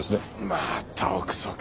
また臆測。